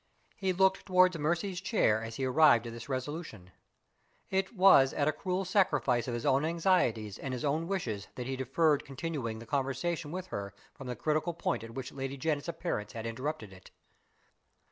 He looked toward Mercy's chair as he arrived at this resolution. It was at a cruel sacrifice of his own anxieties and his own wishes that he deferred continuing the conversation with her from the critical point at which Lady Janet's appearance had interrupted it.